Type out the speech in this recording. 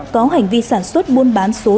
có hành vi sản xuất buôn bán số lượng